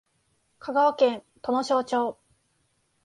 香川県土庄町